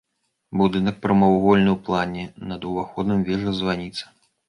Будынак прамавугольны ў плане, над уваходам вежа-званіца.